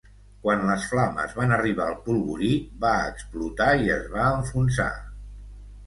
Quan les flames van arribar al polvorí, va explotar i es va enfonsar.